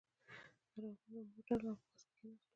احرامونه مو وتړل او په بس کې کیناستو.